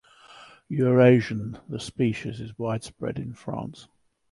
Eurasian, the species is widespread in France.